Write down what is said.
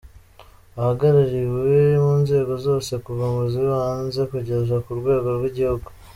Ihagarariwe mu nzego zose kuva mu z’ibanze kugeza ku rwego rw’igihugu.